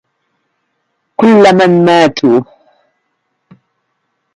كل من ماتوا